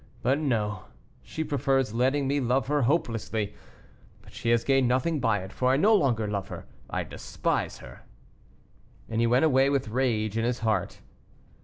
But no; she prefers letting me love her hopelessly; but she has gained nothing by it, for I no longer love her, I despise her." And he went away with rage in his heart.